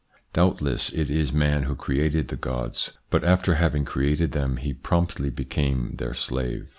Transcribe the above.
Doubtless it is man who created the gods, but after having created them he promptly became their slave.